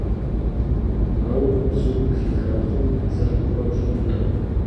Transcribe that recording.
Ауэ мы бзум къыхиха хъум дзыхь хуэпщӀ хъунутэкъым.